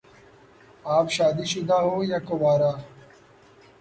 آپ شادی شدہ ہو یا کنوارہ؟